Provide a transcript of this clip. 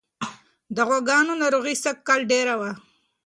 د غواګانو ناروغي سږکال ډېره وه.